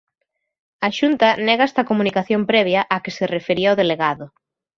A Xunta nega esta comunicación previa á que se refería o delegado.